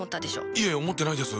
いえ思ってないです。